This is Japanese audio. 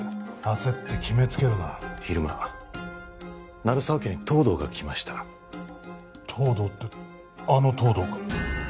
焦って決めつけるな昼間鳴沢家に東堂が来ました東堂ってあの東堂か？